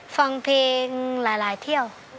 ฟังเพลงหลายเที่ยว